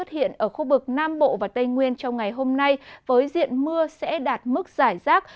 hiện ở khu vực nam bộ và tây nguyên trong ngày hôm nay với diện mưa sẽ đạt mức giải rác